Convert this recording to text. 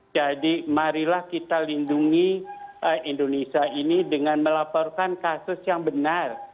jadi marilah kita lindungi indonesia ini dengan melaporkan kasus yang benar